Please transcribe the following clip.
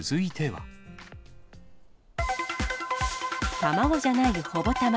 卵じゃない、ほぼたま。